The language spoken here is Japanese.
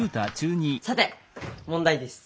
さて問題です！